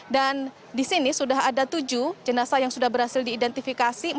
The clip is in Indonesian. dan di sini sudah ada tujuh jenazah yang sudah berhasil diidentifikasi